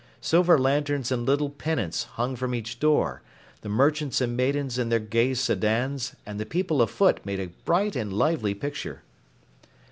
Silver lanterns and little pennants hung from each door, the merchants and maidens in their gay sedans and the people afoot made a bright and lively picture.